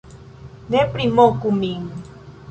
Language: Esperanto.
Ne primoku min